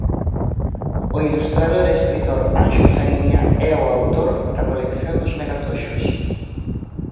O ilustrador e escritor Anxo Fariña é o autor da colección dos Megatoxos.